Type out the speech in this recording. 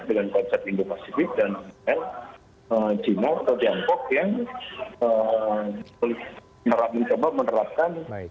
dengan konsep indo pasifik dan china atau tiongkok yang mencoba menerapkan